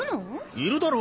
いるだろ。